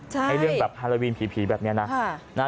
ให้เรื่องฮาราวีนผีแบบนี้นะ